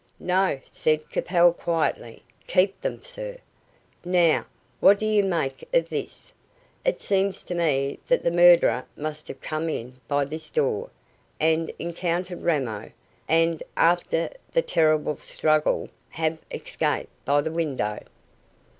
"No," said Capel quietly. "Keep them, sir. Now, what do you make of this? It seems to me that the murderer must have come in by this door, and encountered Ramo, and, after the terrible struggle, have escaped by the window."